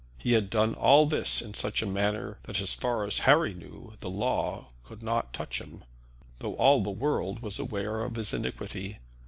He had done all this in such a manner that, as far as Harry knew, the law could not touch him, though all the world was aware of his iniquity.